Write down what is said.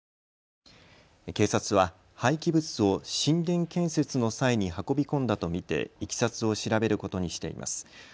警察は廃棄物を神殿建設の際に運び込んだと見ていきさつを調べることにしています。